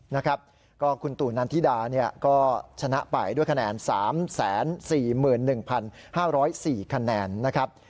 นะครับก็คุณตู่นันทิดาเนี่ยก็ชนะไปด้วยคะแนน๓๔๑๕๐๔คะแนนนะครับ